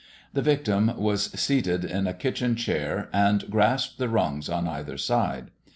The victim was seated in a kitchen chair and grasped the rungs on either side.